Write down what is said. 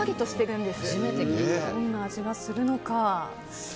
どんな味がするのか。